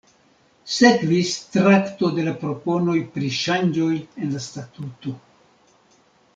Sekvis trakto de la proponoj pri ŝanĝoj en la statuto.